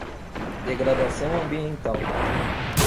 Degradação ambiental